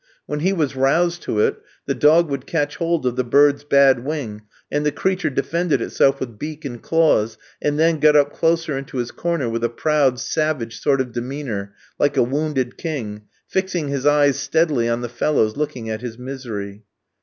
When he was roused to it, the dog would catch hold of the bird's bad wing, and the creature defended itself with beak and claws, and then got up closer into his corner with a proud, savage sort of demeanour, like a wounded king, fixing his eyes steadily on the fellows looking at his misery.